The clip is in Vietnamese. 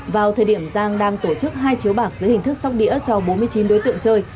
vào thời điểm giang đang tổ chức hai chiếu bạc dưới hình thức sóc đĩa cho bốn mươi chín đối tượng chơi